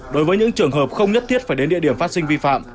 đối với những trường hợp không nhất thiết phải đến địa điểm phát sinh vi phạm